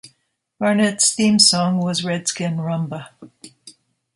Barnet's theme song was "Redskin Rhumba".